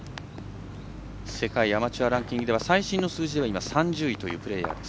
世界アマチュアランキングでは最新の数字では３０位というプレーヤーです。